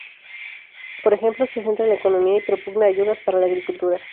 Por ejemplo, se centra en la economía y propugna ayudas para la agricultura.